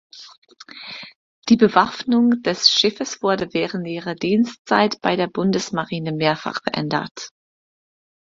Die Bewaffnung des Schiffes wurde während ihrer Dienstzeit bei der Bundesmarine mehrfach verändert.